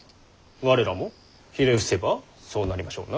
我らもひれ伏せばそうなりましょうな。